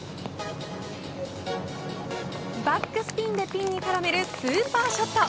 バックスピンでピンに絡めるスーパーショット。